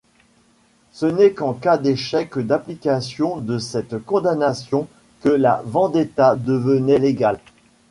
Ce n'est qu'en cas d'échec d'application de cette condamnation que la vendetta devenait légale.